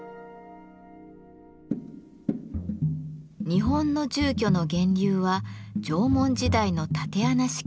日本の住居の源流は縄文時代の竪穴式住居。